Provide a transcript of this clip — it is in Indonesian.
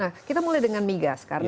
nah kita mulai dengan migas karena